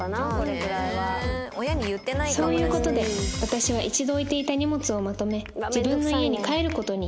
そういう事で私は一度置いていた荷物をまとめ自分の家に帰る事に